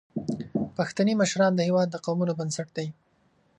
پښتني مشران د هیواد د قومونو بنسټ دي.